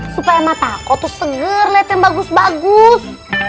supaya mataku tuh seger liat yang bagus bagus